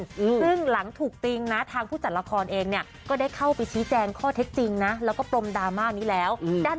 ซึ่งหลังถูกติงนะทางผู้จัดละครเองเนี่ยก็ได้เข้าไปชี้แจงข้อเท็จจริงนะแล้วก็ปรมดราม่านี้แล้วอืมด้าน